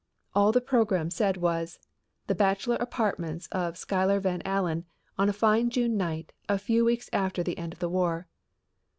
All the program said was: "The bachelor apartments of Schuyler Van Allen on a fine June night a few weeks after the end of the war."